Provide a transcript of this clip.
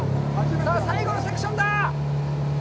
さあ、最後のセクションだ！